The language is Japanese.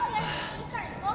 いいから行こう！